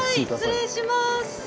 失礼します。